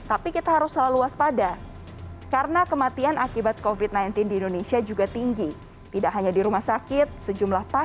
tingginya kasus positif covid sembilan belas juga membuat keteguhan